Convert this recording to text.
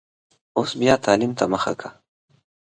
اوس بیا تعلیم ته مخه کړه.